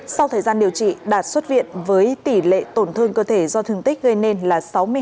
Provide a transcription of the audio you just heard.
sau thời gian điều trị đạt xuất viện với tỷ lệ tổn thương cơ thể do thương tích gây nên là sáu mươi năm